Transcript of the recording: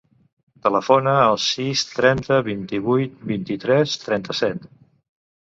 Telefona al sis, trenta, vint-i-vuit, vint-i-tres, trenta-set.